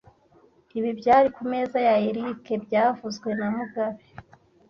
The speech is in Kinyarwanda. Ibi byari kumeza ya Eric byavuzwe na mugabe